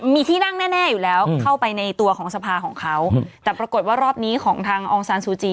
มีที่นั่งแน่อยู่แล้วเข้าไปในตัวของสภาของเขาแต่ปรากฏว่ารอบนี้ของทางอองซานซูจี